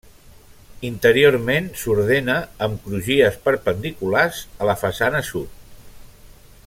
Interiorment s'ordena amb crugies perpendiculars a la façana sud.